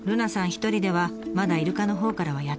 一人ではまだイルカのほうからはやって来ないみたい。